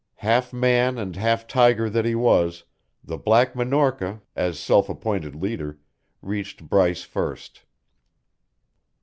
Half man and half tiger that he was, the Black Minorca, as self appointed leader, reached Bryce first.